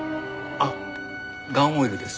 ああガンオイルです。